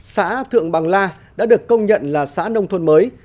xã thượng bằng la đã được công nhận là xã nông thôn mới